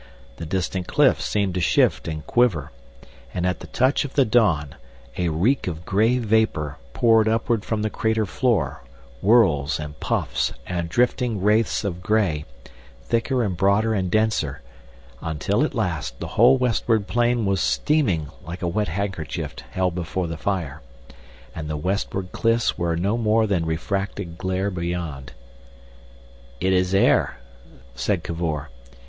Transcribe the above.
The distant cliff seemed to shift and quiver, and at the touch of the dawn a reek of grey vapour poured upward from the crater floor, whirls and puffs and drifting wraiths of grey, thicker and broader and denser, until at last the whole westward plain was steaming like a wet handkerchief held before the fire, and the westward cliffs were no more than refracted glare beyond. "It is air," said Cavor.